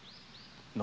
何？